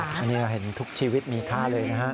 อันนี้เราเห็นทุกชีวิตมีค่าเลยนะฮะ